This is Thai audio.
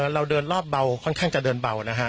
สมบัติแค่นั้นเองแล้วจะถอยหลังนะฮะ